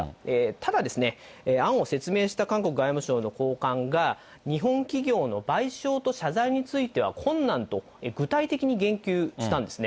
ただ、案を説明した韓国外務省の高官が、日本企業の賠償と謝罪については困難と、具体的に言及したんですね。